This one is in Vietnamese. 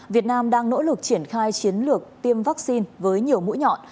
việt nam đang nỗ lực triển khai chiến lược tiêm vaccine với nhiều mũi nhọn